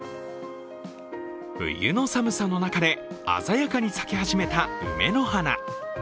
冬の寒さの中で鮮やかに咲き始めた梅の花。